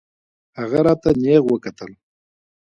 هغه راته نېغ وکتل.